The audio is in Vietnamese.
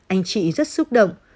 anh chị rất xúc động